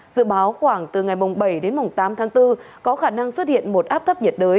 dự báo khoảng từ ngày bảy đến mùng tám tháng bốn có khả năng xuất hiện một áp thấp nhiệt đới